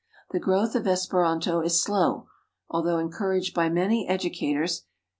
The growth of Esperanto is slow, although encouraged by many educators.